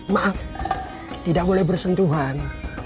maaf tidak boleh bersentuhan